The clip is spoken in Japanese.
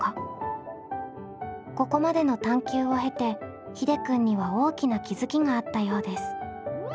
ここまでの探究を経てひでくんには大きな気付きがあったようです。